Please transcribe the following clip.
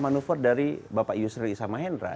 manuver dari bapak yusri isamahendra